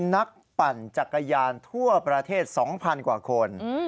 ปั่นจักรยานทั่วประเทศ๒๐๐๐กว่าคน